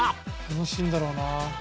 「楽しいんだろうな」